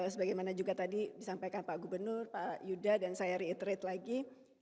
sebagaimana juga tadi disampaikan pak gubernur pak yuda dan saya reate rate lagi